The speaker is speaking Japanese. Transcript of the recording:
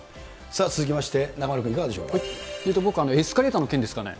続きまして、僕、エスカレーターの件ですかね。